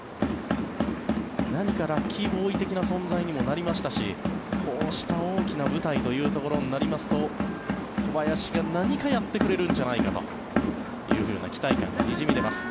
何かラッキーボーイ的な存在にもなりましたしこうした大きな舞台というところになりますと小林が何かやってくれるんじゃないかというふうな期待感がにじみ出ます。